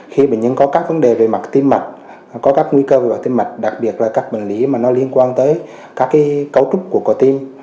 khi bệnh nhân có các vấn đề về mặt tim mạch có các nguy cơ về tim mạch đặc biệt là các bệnh lý mà nó liên quan tới các cấu trúc của cò tim